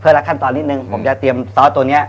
ละขั้นตอนนิดนึงผมจะเตรียมซอสตัวนี้